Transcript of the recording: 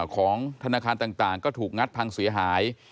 ของธนาคารต่างก็ถูกงัดพังเสียหาย